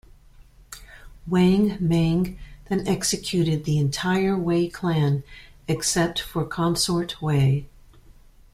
Wang Mang then executed the entire Wei clan, except for Consort Wei.